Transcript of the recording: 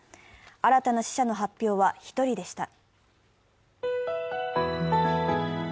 新たな死者の発表は１人でした。